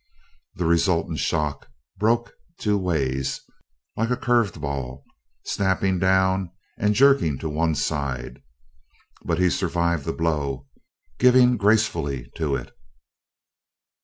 The resultant shock broke two ways, like a curved ball, snapping down and jerking to one side. But he survived the blow, giving gracefully to it.